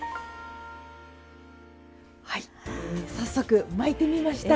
はい早速巻いてみました。